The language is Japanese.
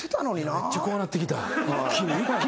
めっちゃ怖なってきた。